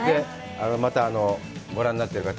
また、ご覧になっている方、